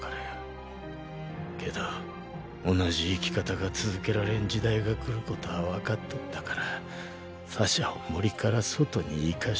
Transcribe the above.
けど同じ生き方が続けられん時代が来ることはわかっとったからサシャを森から外に行かした。